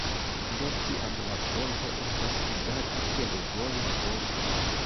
De tiam la ponto estas uzata kiel voja ponto.